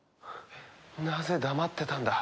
なぜ黙ってたんだ？